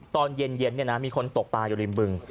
ตอนเย็นมีคนตกปลาอยู่ริมบึง